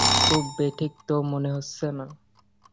খুব বেঠিক তো মনে হচ্ছে না।